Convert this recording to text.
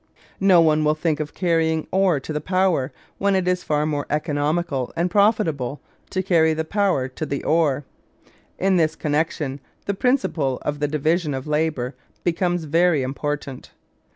No one will think of carrying ore to the power when it is far more economical and profitable to carry power to the ore. In this connection the principle of the division of labour becomes very important.